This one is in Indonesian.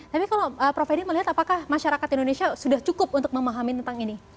tapi kalau prof edi melihat apakah masyarakat indonesia sudah cukup untuk memahami tentang ini